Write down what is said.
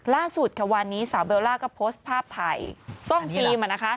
ล่าสุดค่ะวันนี้สาวเบลล่าก็โพสต์ภาพถ่ายกล้องฟิล์ม